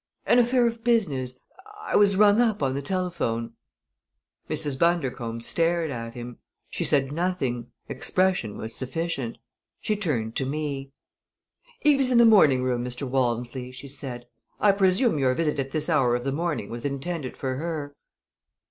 "An affair of business I was rung up on the telephone." Mrs. Bundercombe stared at him. She said nothing; expression was sufficient. She turned to me. "Eve is in the morning room, Mr. Walmsley," she said. "I presume your visit at this hour of the morning was intended for her."